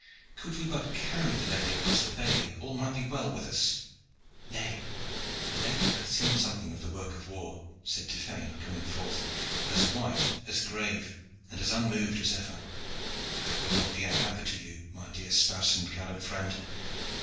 Could we but carry the lady across the bailey, all might be well with us." "Nay; the lady hath seen something of the work of war," said Tiphaine coming forth, as white, as grave, and as unmoved as ever. "I would not be a hamper to you, my dear spouse and gallant friend.